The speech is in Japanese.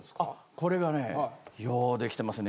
これがねよう出来てますね